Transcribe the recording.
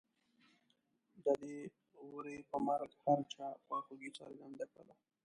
د دې وري په مرګ هر چا خواخوږي څرګنده کړله.